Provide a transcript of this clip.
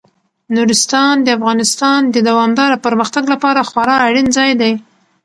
نورستان د افغانستان د دوامداره پرمختګ لپاره خورا اړین ځای دی.